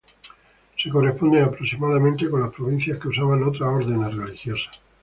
Se corresponden aproximadamente con las provincias que usaban otras órdenes religiosas.